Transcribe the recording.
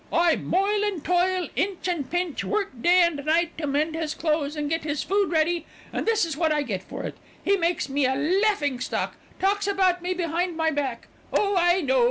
"I moil and toil, inch and pinch, work day and night to mend his clothes and get his food ready, and this is what I get for it. He makes me a laughing stock, talks about me behind my back. Oh, I know!"